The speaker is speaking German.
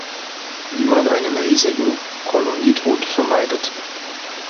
Wie man einen riesigen Kolonietod vermeidet.